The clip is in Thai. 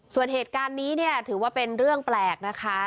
ส่วนเหตุการณ์นี้เนี่ยถือว่าเป็นเรื่องแปลกนะคะ